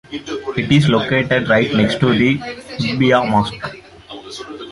It is located right next to the Kutubiyya Mosque.